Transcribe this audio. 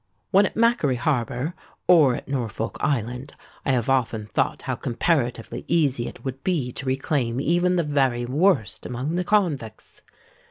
When at Macquarie Harbour, or at Norfolk Island, I have often thought how comparatively easy it would be to reclaim even the very worst among the convicts.